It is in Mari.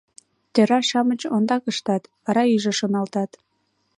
— Тӧра-шамыч ондак ыштат, вара иже шоналтат.